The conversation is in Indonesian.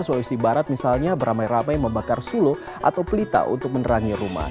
sulawesi barat misalnya beramai ramai membakar sulo atau pelita untuk menerangi rumah